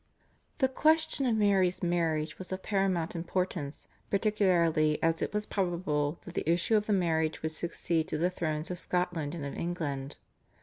The question of Mary's marriage was of paramount importance, particularly as it was probable that the issue of the marriage would succeed to the thrones of Scotland and of England.